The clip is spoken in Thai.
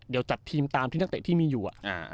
เดี๋ยวจัดทีมตามที่นักเตะที่มีอยู่